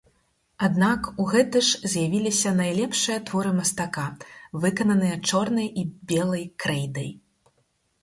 Аднак у гэты ж з'явіліся найлепшыя творы мастака, выкананыя чорнай і белай крэйдай.